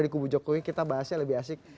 di kubu jokowi kita bahasnya lebih asik